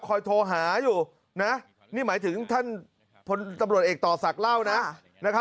โทรหาอยู่นะนี่หมายถึงท่านพลตำรวจเอกต่อศักดิ์เล่านะ